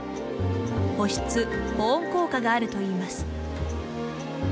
保湿・保温効果があるといいます。